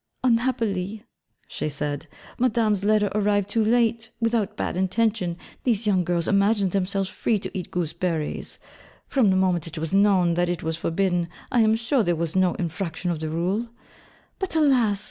'Unhappily,' she said, 'Madame's letter arrived too late: without bad intention, these young girls imagined themselves free to eat gooseberries: from the moment it was known that it was forbidden, I am sure there was no infraction of the rule: but alas!